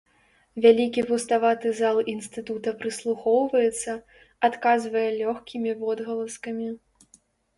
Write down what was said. Вялізны пуставаты зал інстытута прыслухоўваецца, адказвае лёгкімі водгаласкамі.